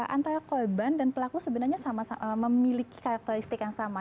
antara korban dan pelaku sebenarnya memiliki karakteristik yang sama